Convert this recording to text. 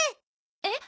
えっ？